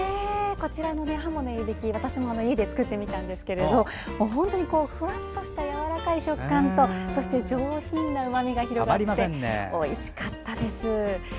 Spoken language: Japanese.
ハモの湯引き私も家で作ってみたんですけれど本当にふわっとしたやわらかい食感と上品なうまみが広がっておいしかったです。